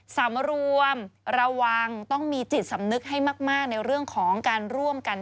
สำรวมระวังต้องมีจิตสำนึกให้มากในเรื่องของการร่วมกัน